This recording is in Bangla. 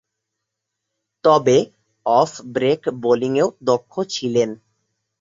তবে, অফ ব্রেক বোলিংয়েও দক্ষ ছিলেন।